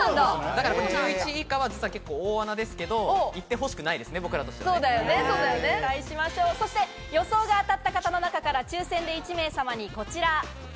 １１位以下は大穴ですけど、行ってほしくないですね、僕らとしては。そして予想が当たった方の中から抽選で１名様にこちら。